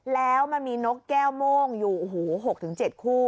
แล้วมันมีนกแก้วโม่งอยู่๖๗คู่